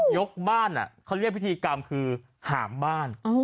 บ้านเขาเรียกพิธีกรรมคือหามบ้าน